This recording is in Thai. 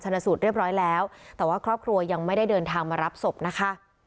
สูตรเรียบร้อยแล้วแต่ว่าครอบครัวยังไม่ได้เดินทางมารับศพนะคะ